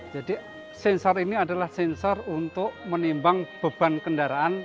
jadi sensor ini adalah sensor untuk menimbang beban kendaraan